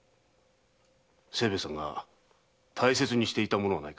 清兵衛さんが大切にしていたものはないか？